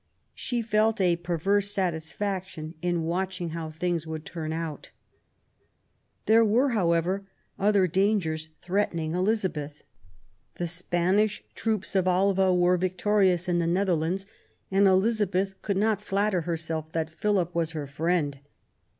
She felt a perverse satisfaction in watching how things would turn out. There were, however, other dangers threatening Elizabeth. The Spanish troops of Alva were vic torious in the Netherlands ; and Elizabeth could not flatter herself that Philip was her friend.